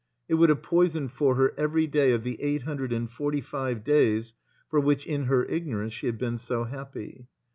It would have poisoned for her every day of the eight hundred and forty five days for which in her ignorance she had been so happy.